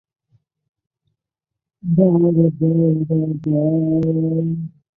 梅连斯克农村居民点是俄罗斯联邦布良斯克州斯塔罗杜布区所属的一个农村居民点。